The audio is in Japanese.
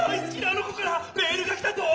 あの子からメールが来たぞ！